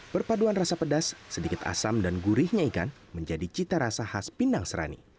perpaduan rasa pedas sedikit asam dan gurihnya ikan menjadi cita rasa khas pinang serani